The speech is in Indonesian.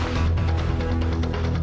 dia udah dapet